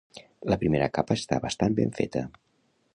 La primera capa està bastant ben feta.